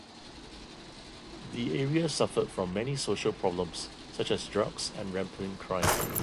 The area suffered from many social problems such as drugs and rampant crime.